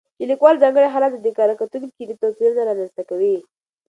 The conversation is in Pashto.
د لیکوال ځانګړی حالت او د کره کتونکي لید توپیرونه رامنځته کوي.